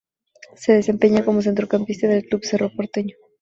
Se desempeña como centrocampista en el Club Cerro Porteño.